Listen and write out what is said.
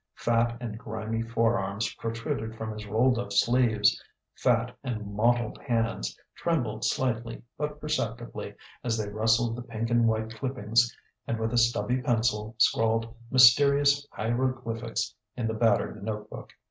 Fat and grimy forearms protruded from his rolled up sleeves; fat and mottled hands trembled slightly but perceptibly as they rustled the pink and white clippings and with a stubby pencil scrawled mysterious hieroglyphics in the battered note book.